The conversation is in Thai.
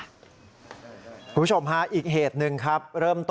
คุณผู้ชมค่ะอีกเหตุหนึ่งครับ